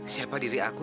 siapa diri aku